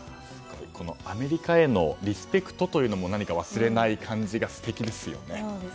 アメリカへのリスペクトというのも忘れない感じが素敵ですよね。